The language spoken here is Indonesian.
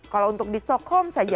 kalau untuk di stockholm saja